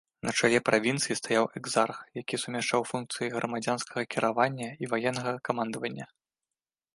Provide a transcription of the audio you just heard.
На чале правінцыі стаяў экзарх, які сумяшчаў функцыі грамадзянскага кіравання і ваеннага камандавання.